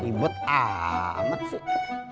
ribut amat sih